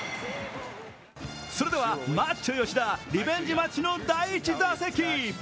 それではマッチョ吉田リベンジマッチの第１打席。